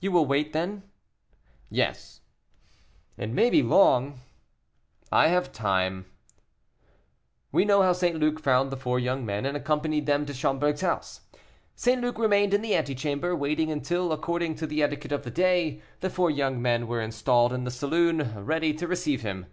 "You will wait, then?" "Yes." "It may be long." "I have time." We know how St. Luc found the four young men, and accompanied them to Schomberg's house. St. Luc remained in the ante chamber, waiting until, according to the etiquette of the day, the four young men were installed in the saloon ready to receive him.